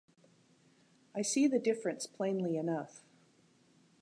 I see the difference plainly enough.